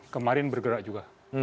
kemarin bergerak juga